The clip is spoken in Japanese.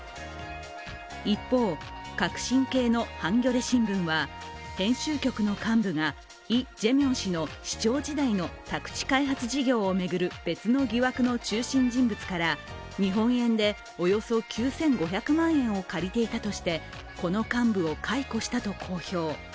一方、革新系の「ハンギョレ新聞」は編集局の幹部がイ・ジェミョン氏の市長時代の宅地開発事業を巡る別の疑惑の中心人物から日本円でおよそ９５００万円を借りていたとして、この幹部を解雇したと公表。